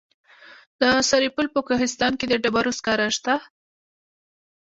د سرپل په کوهستان کې د ډبرو سکاره شته.